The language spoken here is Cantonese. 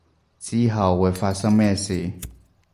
之後會發生咩事